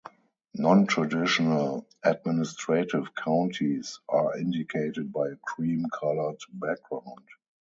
Non-traditional administrative counties are indicated by a cream-coloured background.